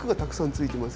ついてます